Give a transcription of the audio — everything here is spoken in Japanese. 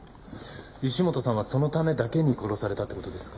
石本さんはそのためだけに殺されたって事ですか？